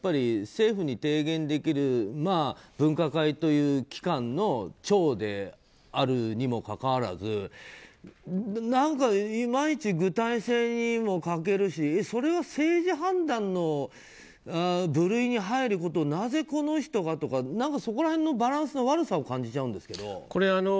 政府に提言できる分科会という機関の長であるにもかかわらず何かいまいち具体性にも欠けるしそれは政治判断の部類に入ることをなぜこの人がとかそこら辺のバランスの悪さを感じちゃうんですけど。